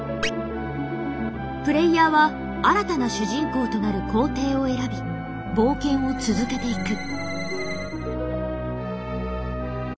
プレイヤーは新たな主人公となる皇帝を選び冒険を続けていく。